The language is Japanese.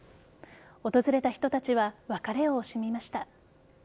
訪れた人たちは別れを惜しみました。